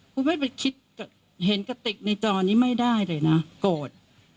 คุณไม่ไปคิดเห็นกระติกในจอนี้ไม่ได้เลยนะโกรธ